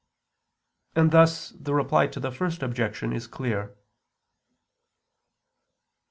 And thus the reply to the first [objection] is clear.